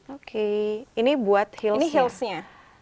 oke ini buat heelsnya